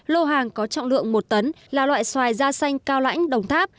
lô hàng có trọng lượng một tấn là loại xoài da xanh cao lãnh đồng tháp